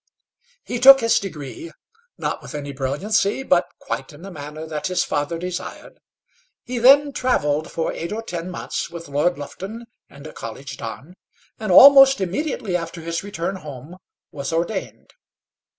He took his degree not with any brilliancy, but quite in the manner that his father desired; he then travelled for eight or ten months with Lord Lufton and a college don, and almost immediately after his return home was ordained.